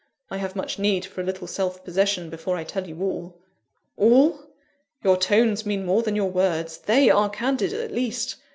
I have much need for a little self possession before I tell you all." "All? your tones mean more than your words they are candid, at least!